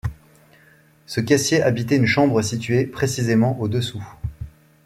Ce caissier habitait une chambre située précisément au-dessous